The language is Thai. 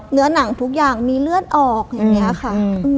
หนังทุกอย่างมีเลือดออกอย่างนี้ค่ะ